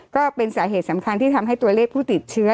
ก็เป็นสาเหตุสำคัญที่ทำให้ตัวเลขผู้ติดเชื้อ